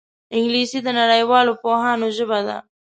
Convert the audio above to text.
انګلیسي د نړیوالو پوهانو ژبه ده